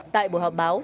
tại bộ họp báo